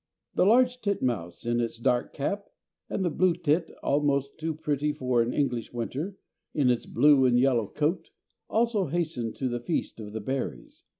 The large titmouse in its dark cap, and the blue tit, almost too pretty for an English winter in its blue and yellow coat, also hasten to the feast of the berries.